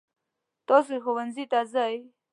تاسې ښوونځي ته ځئ.